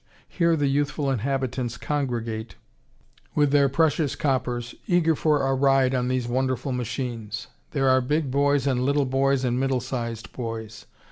Here the youthful inhabitants congregate, with their precious coppers, eager for a ride on these wonderful machines. There are big boys and little boys and middle sized boys.